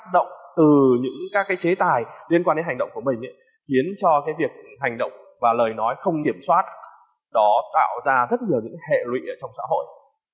độc hại khiến cho những người